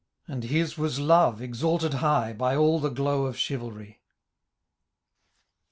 And his was lore, exalted high. By all the glow of chivalry.